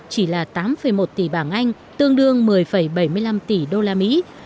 chỉ là tám một tỷ bảng anh tương đương một mươi bảy mươi năm tỷ usd